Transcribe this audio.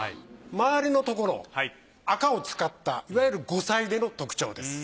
周りのところ赤を使ったいわゆる五彩手の特徴です。